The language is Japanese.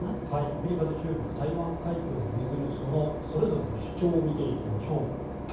アメリカと中国台湾海峡を巡るそれぞれの主張を見ていきましょう。